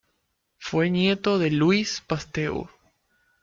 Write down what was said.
Fue nieto de Louis Pasteur.